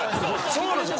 そうなんですよ。